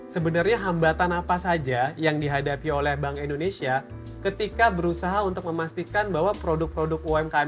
sebenarnya hambatan apa saja yang dihadapi oleh bank indonesia ketika berusaha untuk memastikan bahwa produk produk umkm